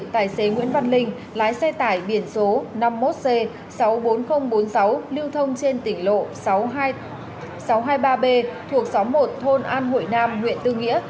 tài xế nguyễn văn linh lái xe tải biển số năm mươi một c sáu mươi bốn nghìn bốn mươi sáu lưu thông trên tỉnh lộ sáu trăm hai mươi ba b thuộc xóm một thôn an hội nam huyện tư nghĩa